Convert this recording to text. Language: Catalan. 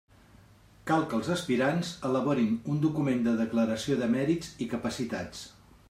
Cal que els aspirants elaborin un document de declaració de mèrits i capacitats.